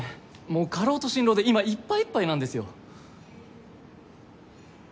もう過労と心労で今いっぱいいっぱいなんですよ。